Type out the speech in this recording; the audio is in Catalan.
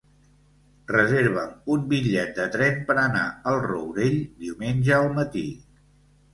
Reserva'm un bitllet de tren per anar al Rourell diumenge al matí.